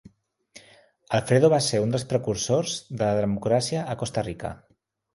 Alfredo va ser un dels precursors de la democràcia a Costa Rica.